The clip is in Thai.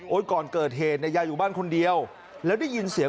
ก่อนเกิดเหตุเนี่ยยายอยู่บ้านคนเดียวแล้วได้ยินเสียง